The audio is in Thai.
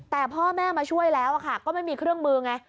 แต่พ่อแม่มาช่วยแล้วก็ไม่มีเครื่องมือไง